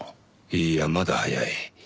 いいやまだ早い。